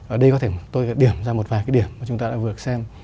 ở đây có thể tôi điểm ra một vài cái điểm mà chúng ta đã vượt xem